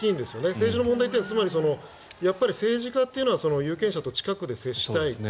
政治の問題というのはやっぱり政治家というのは有権者と近くで接したい。